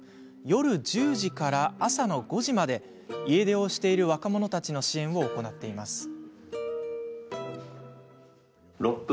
夜１０時から朝の５時まで家出をしている若者たちの支援を行っています。